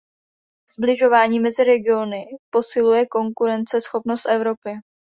Sbližování mezi regiony posiluje konkurenceschopnost Evropy.